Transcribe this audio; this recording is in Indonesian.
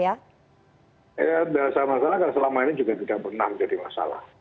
ya ada masalah karena selama ini juga tidak pernah jadi masalah